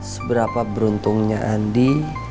seberapa beruntungnya andi